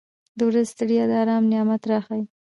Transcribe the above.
• د ورځې ستړیا د آرام نعمت راښیي.